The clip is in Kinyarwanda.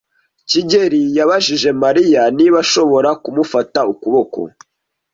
kigeli yabajije Mariya niba ashobora kumufata ukuboko.